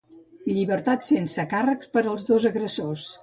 Llibertat sense càrrecs per als dos agressors.